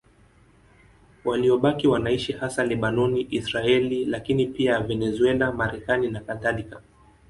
Waliobaki wanaishi hasa Lebanoni, Israeli, lakini pia Venezuela, Marekani nakadhalika.